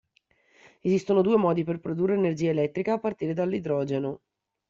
Esistono due modi per produrre energia elettrica a partire dall'idrogeno.